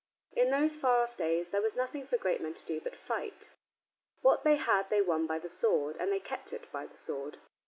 In those far off days there was nothing for great men to do but fight. What they had they had won by the sword, and they kept it by the sword.